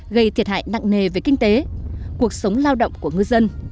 gây thiệt hại nặng nề về kinh tế cuộc sống lao động của ngư dân